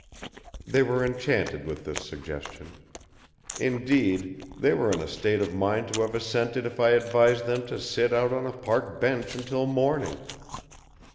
They were enchanted with this suggestion. Indeed, they were in a state of mind to have assented if I advised them to sit out on a park bench until morning.